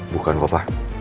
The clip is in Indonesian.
bukan kok pak